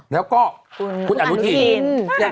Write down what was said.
แล้วก็คุณอนุทิน